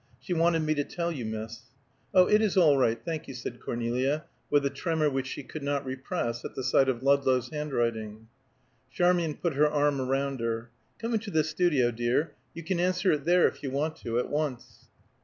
She wanted me to tell you, miss." "Oh, it is all right, thank you," said Cornelia, with a tremor which she could not repress at the sight of Ludlow's handwriting. Charmian put her arm round her. "Come into the studio, dear. You can answer it there, if you want to, at once."